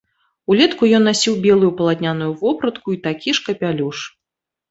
Улетку ён насіў белую палатняную вопратку і такі ж капялюш.